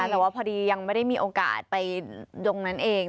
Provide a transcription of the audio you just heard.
แต่ว่าพอดียังไม่ได้มีโอกาสไปตรงนั้นเอง